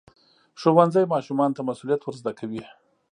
ښوونځی ماشومانو ته مسؤلیت ورزده کوي.